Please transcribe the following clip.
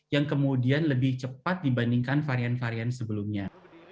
yang kemudian lebih cepat dibandingkan varian varian sebelumnya